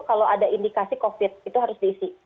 kalau ada indikasi covid itu harus diisi